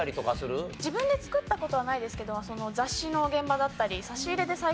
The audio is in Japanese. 自分で作った事はないですけど雑誌の現場だったり。